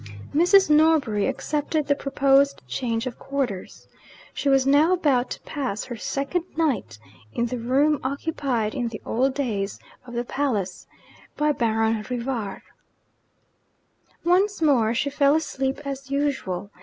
Mrs. Norbury accepted the proposed change of quarters. She was now about to pass her second night in the room occupied in the old days of the palace by Baron Rivar. Once more, she fell asleep as usual.